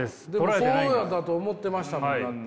そうやと思ってましたもんだって。